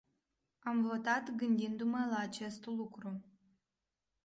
Am votat gândindu-mp la acest lucru.